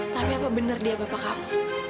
tapi apa benar dia bapak kamu